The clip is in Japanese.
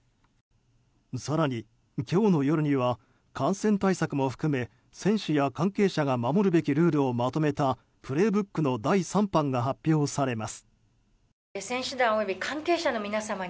更に今日の夜には感染対策も含め選手や関係者が守るべきルールをまとめた「プレイブック」の第３版が発表されます。